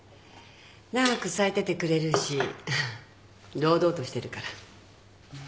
長く咲いててくれるし堂々としてるから。